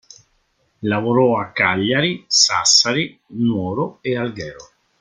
Lavorò a Cagliari, Sassari, Nuoro e Alghero.